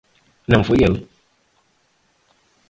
Não foi ele.